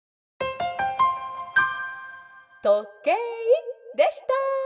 「とけいでした！」。